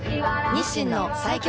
日清の最強